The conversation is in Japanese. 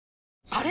あれ？